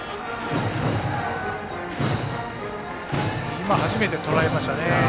今、初めてとらえましたね。